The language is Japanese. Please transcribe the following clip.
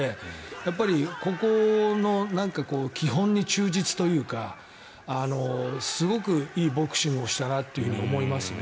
やっぱりここの基本に忠実というかすごくいいボクシングをしたなって思いますね。